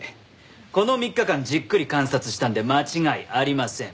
この３日間じっくり観察したんで間違いありません。